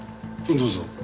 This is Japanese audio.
どうぞ。